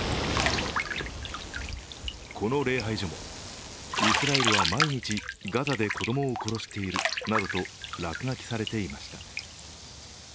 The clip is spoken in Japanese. この礼拝所も、イスラエルは毎日ガザで子供を殺しているなどと落書きされていました。